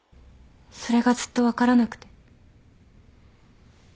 それがずっと分からなくて。